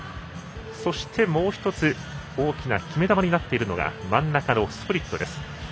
そして、もう１つ大きな決め球になっているのが真ん中のスプリットです。